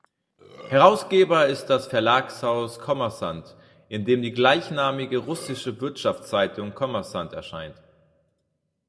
Herausgeber ist das Verlagshaus Kommersant, in dem die gleichnamige russische Wirtschaftszeitung Kommersant erscheint.